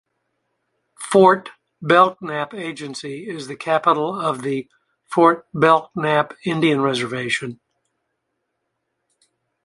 Fort Belknap Agency is the capital of the Fort Belknap Indian Reservation.